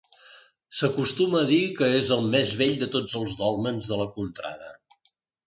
S'acostuma a dir que és el més bell de tots els dòlmens de la contrada.